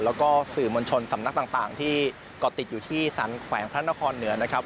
แล้วก็สื่อมวลชนสำนักต่างที่ก่อติดอยู่ที่สรรแขวงพระนครเหนือนะครับ